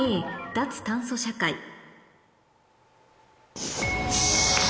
「脱炭素社会」よし！